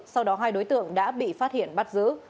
sau đó hai đối tượng đã bị phát hiện bắt giữ